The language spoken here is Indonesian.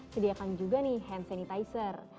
sediakan juga nih hand sanitizer